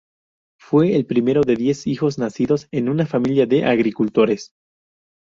Fue el primero de diez hijos nacidos en una familia de agricultores.